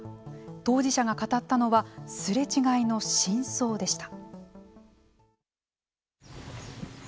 当事者が語ったのはすれ違いの真相でした。